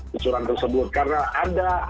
kucuran tersebut karena ada